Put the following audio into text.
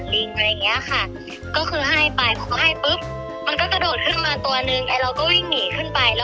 แต่ว่ามันก็ไม่ได้ขวนไปได้อะไรเลยอะไรอย่างเงี้ยค่ะ